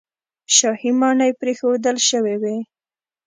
شاهي ماڼۍ پرېښودل شوې وې.